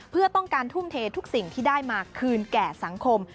เพื่อต้องการทุ่มเททุกสิ่งที่ได้มาคืนแก่สังคม